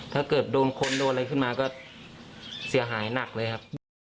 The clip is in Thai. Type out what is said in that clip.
ถ้าเกิดโดนคนโดนอะไรขึ้นมาก็เสียหายหนักเลยครับ